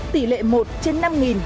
tỷ lệ một trên năm đồng